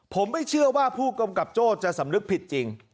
ผมไม่เชื่อว่าผู้กำกับโจ้จะสำนึกผิดจริง